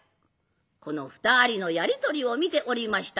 この２人のやり取りを見ておりました観音久次。